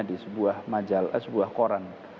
di sebuah majalah sebuah koran